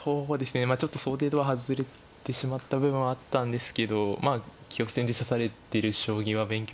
まあちょっと想定とは外れてしまった部分はあったんですけどまあ棋王戦で指されてる将棋は勉強していたので。